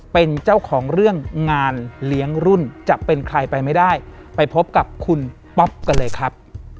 เป็นเจ้าของเรื่องงานเลี้ยงรุ่นจะเป็นใครไปไม่ได้ไปพบกับคุณป๊อปกันเลยครับ